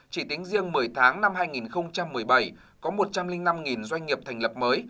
chỉ tính riêng một mươi tháng năm hai nghìn một mươi bảy có một trăm linh năm doanh nghiệp thành lập mới